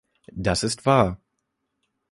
Das ist wahr.